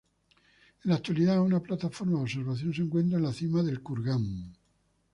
En la actualidad, una plataforma de observación se encuentra en la cima del Kurgán.